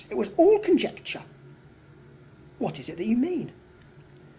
It was all conjecture." "What is it you mean?"